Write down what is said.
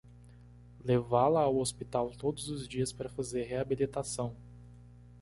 Levá-la ao hospital todos os dias para fazer reabilitação